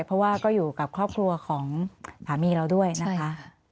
เพราะว่าก็อยู่กับครอบครัวของสามีเราด้วยนะคะ